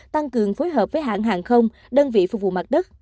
tăng cường phối hợp với hãng hàng không đơn vị phục vụ mặt đất